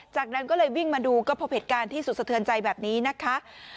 จากนั้นก็เลยวิ่งมาดูก็พบเหตุการณ์ที่สุดสะเทือนใจแบบนี้นะคะ